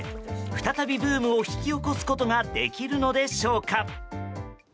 再びブームを引き起こすことができるのでしょうか。